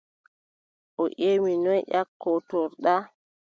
O ƴemi mo: noy ƴakkortoɗa ?